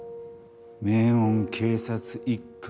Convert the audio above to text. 名門警察一家の